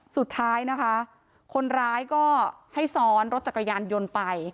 สุดท้ายนะคะคนร้ายก็ให้ซ้อนรถจักรยานยนต์ไป